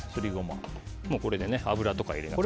これで油とか入れなくても。